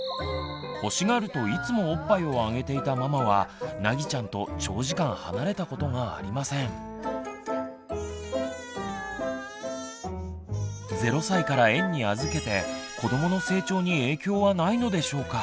欲しがるといつもおっぱいをあげていたママはなぎちゃんと０歳から園に預けて子どもの成長に影響はないのでしょうか。